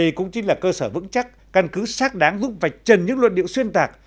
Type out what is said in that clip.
đây cũng chính là cơ sở vững chắc căn cứ xác đáng giúp vạch trần những luận điệu xuyên tạc